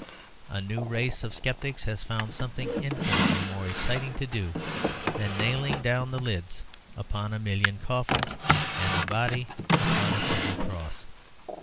A newer race of sceptics has found something infinitely more exciting to do than nailing down the lids upon a million coffins, and the body upon a single cross.